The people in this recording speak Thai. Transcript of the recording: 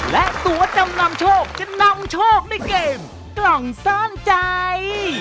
และตัวจำนำโชคจะนำโชคในเกมกล่องสร้างใจ